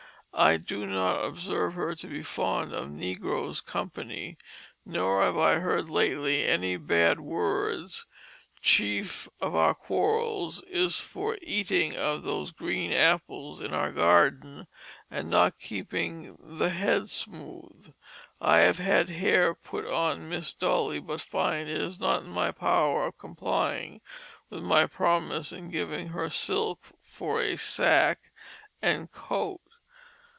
I do not observe her to be fond of negroes company, nor have I heard lately of any bad words; chief of our Quarrels is for eating of those green Apples in our garden and not keeping the head smooth.... I have had Hair put on Miss Dolly but find it is not in my power of complying with my promise in giving her Silk for a Sacque and Coat.